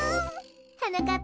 はなかっ